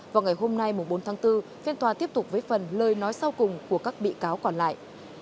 vào ngày hôm nay bốn tháng bốn phiên tòa tiếp tục với phần lời nói sau cùng của các bị cáo còn lại